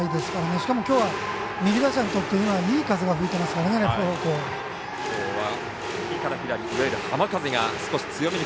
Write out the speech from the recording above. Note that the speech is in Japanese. しかも今日は右打者にとっていい風が吹いていますからレフト方向に。